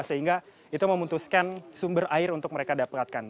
sehingga itu memutuskan sumber air untuk mereka dapatkan